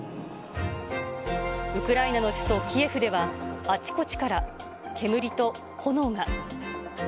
ウクライナの首都キエフでは、あちこちから煙と炎が。